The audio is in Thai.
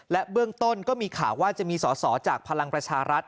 และเบื้องต้นก็มีข่าวว่าจะมีสอสอจากพลังประชารัฐ